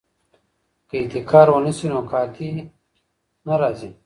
که احتکار ونه شي نو قحطي نه راځي.